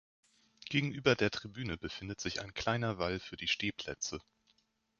Gegenüber der Tribüne befindet sich ein kleiner Wall für die Stehplätze.